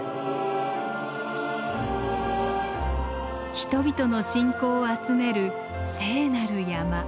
人々の信仰を集める聖なる山。